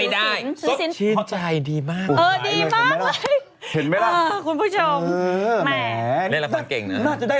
เดิมดื่มเข้าไป